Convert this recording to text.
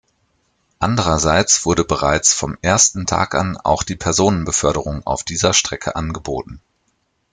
Andererseits wurde bereits vom ersten Tag an auch die Personenbeförderung auf dieser Strecke angeboten.